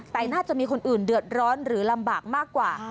แต่น่าจะมีคนอื่นเดือดร้อนหรือลำบากมากกว่า